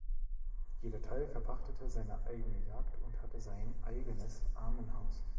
Jeder Teil verpachtete seine eigene Jagd und hatte sein eigenes Armenhaus.